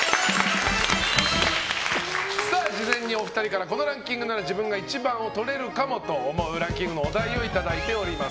事前にお二人からこのランキングなら自分が１番をとれるかもと思うランキングのお題をいただいております。